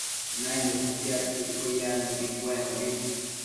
naimëdtiadtsëcquio yannubi cuenobi